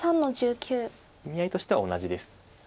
意味合いとしては同じです。